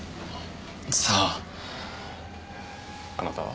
さぁあなたは？